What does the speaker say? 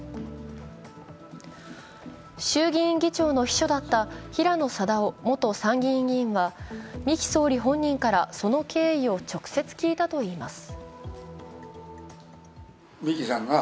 衆議院議長の秘書だった平野貞夫元参議院議員は、三木総理本人から、その経緯を直接聞いたといいます。